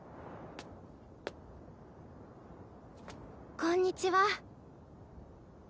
こんにちは。